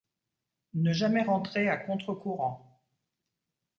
Ne jamais rentrer à contre-courant.